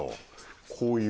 こういう。